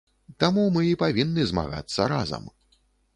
Таму мы і павінны змагацца разам.